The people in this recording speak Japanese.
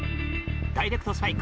ダイレクトスパイク。